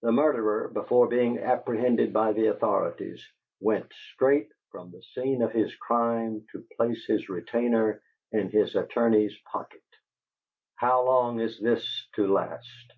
The murderer, before being apprehended by the authorities, WENT STRAIGHT FROM THE SCENE OF HIS CRIME TO PLACE HIS RETAINER IN HIS ATTORNEY'S POCKET! HOW LONG IS THIS TO LAST?"